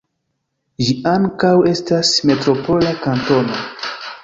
Ĝi ankaŭ estas metropola kantono.